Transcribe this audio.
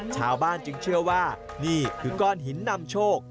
ชาวบ้านจึงเชื่อว่านี่คือก้อนหินนำโชค